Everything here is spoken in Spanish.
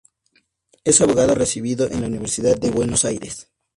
Es abogado recibido en la Universidad de Buenos Aires